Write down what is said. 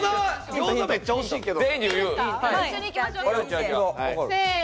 餃子、めっちゃ惜しいけれども。